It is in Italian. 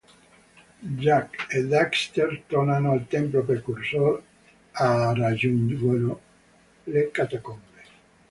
Jak e Daxter tornano al Tempio Precursor e raggiungono le catacombe.